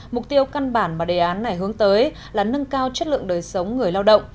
mục tiêu căn bản mà đề án này hướng tới là nâng cao chất lượng đời sống người lao động